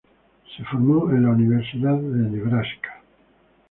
Se formó en la Universidad de Nebraska.